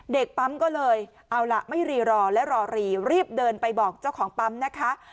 เด็กปั๊มก็เลยเอาล่ะไม่รีรอและรอรีรีบเดินไปบอกเจ้าของปั๊มนะคะ